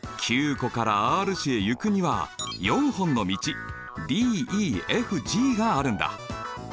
湖からＲ市へ行くには４本の道ｄｅｆｇがあるんだ。